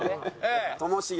ともしげ。